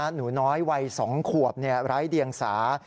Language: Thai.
หนูน้อยวัย๒ขวบไร้เดียงสา